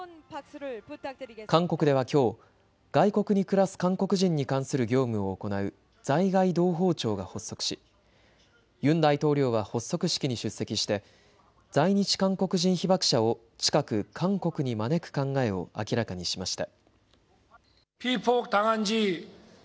韓国ではきょう、外国に暮らす韓国人に関する業務を行う在外同胞庁が発足しユン大統領は発足式に出席して在日韓国人被爆者を近く韓国に招く考えを明らかにしました。